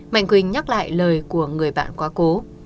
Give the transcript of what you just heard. mạnh quỳnh nhắc lại lời của người bạn quá cố